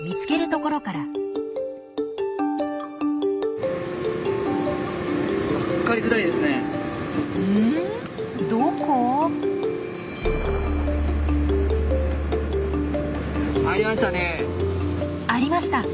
どこ？ありました！